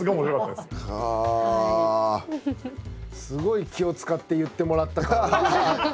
すごい気を使って言ってもらった感が。